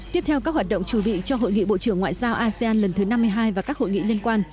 tiếp theo các hoạt động chủ bị cho hội nghị bộ trưởng ngoại giao asean lần thứ năm mươi hai và các hội nghị liên quan